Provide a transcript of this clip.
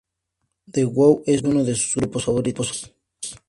The Who es uno de sus grupos favoritos.